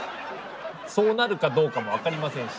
そうなるかどうかも分かりませんし。